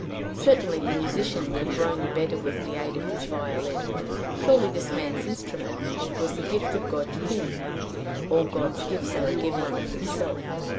Certainly the musician can groan the better with the aid of his violin. Surely this man's instrument was the gift of God to him. All God's gifts are a giving of himself.